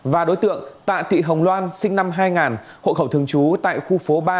và đối tượng tạ thị hồng loan sinh năm hai nghìn hộ khẩu thường trú tại khu phố ba